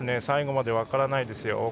最後まで分からないですよ